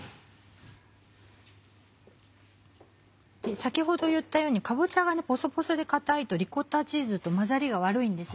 先ほど言ったようにかぼちゃがポソポソで硬いとリコッタチーズと混ざりが悪いんです。